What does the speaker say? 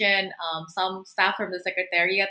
beberapa staf dari sekretariat